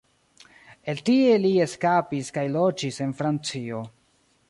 El tie li eskapis kaj loĝis en Francio.